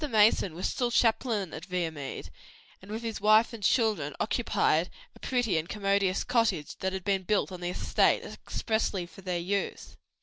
Mason was still chaplain at Viamede, and with his wife and children occupied a pretty and commodious cottage which had been built on the estate expressly for their use.